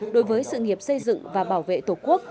đối với sự nghiệp xây dựng và bảo vệ tổ quốc